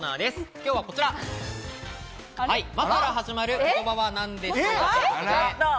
今日は「マ」から始まる言葉は何でしょうか？